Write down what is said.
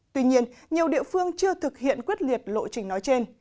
tuy nhiên nhiều địa phương chưa thực hiện quyết liệt lộ trình nói trên